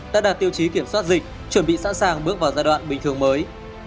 đã đạt tiêu chí kiểm soát dịch chuẩn bị sẵn sàng bước vào giai đoạn bình thường mới